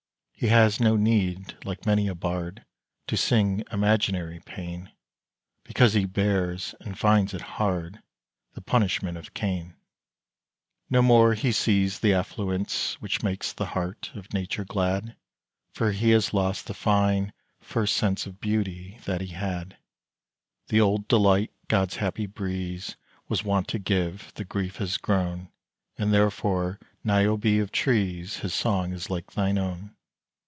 He has no need, like many a bard, To sing imaginary pain, Because he bears, and finds it hard, The punishment of Cain. No more he sees the affluence Which makes the heart of Nature glad; For he has lost the fine, first sense Of Beauty that he had. The old delight God's happy breeze Was wont to give, to Grief has grown; And therefore, Niobe of trees, His song is like thine own!